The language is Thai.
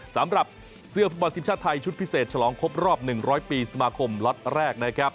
สำหรับเสื้อฟุตบอลทีมชาติไทยชุดพิเศษฉลองครบรอบ๑๐๐ปีสมาคมล็อตแรกนะครับ